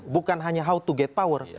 bukan hanya how to get power